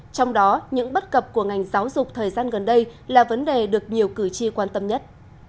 trong đó những bất cập của ngành giáo dục thời gian gần đây là vấn đề được nhiều cử tri quan tâm nhất